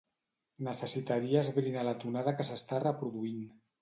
Necessitaria esbrinar la tonada que s'està reproduint.